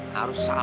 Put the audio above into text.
harus sampai ya